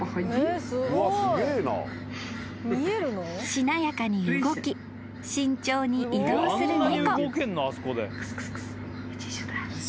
［しなやかに動き慎重に移動する猫］